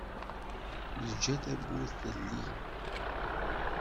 Neǧǧa tawwurt telli.